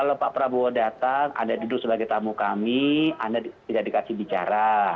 kalau pak prabowo datang anda duduk sebagai tamu kami anda tidak dikasih bicara